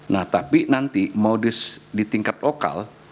nah tapi nanti modus di tingkat lokal